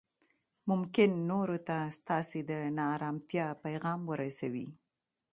ممکن نورو ته ستاسې د نا ارامتیا پیغام ورسوي